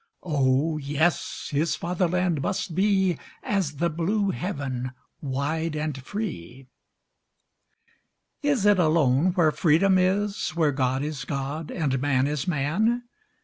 O, yes! his fatherland must be As the blue heaven wide and free! Is it alone where freedom is, Where God is God and man is man?